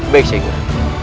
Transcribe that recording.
baik sheikh guru